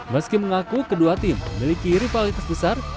meski mengaku kedua tim memiliki rivalitas besar